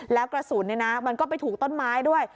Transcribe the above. แล้วกระสุนมันก็ไปถูกต้นไม้ด้วย